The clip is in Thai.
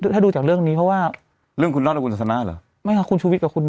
ถ้าดูจากเรื่องนี้เพราะว่าเรื่องคุณรอดกับคุณศาสนาเหรอไม่ค่ะคุณชุวิตกับคุณ